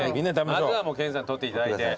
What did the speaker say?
まずは研さんに取っていただいて。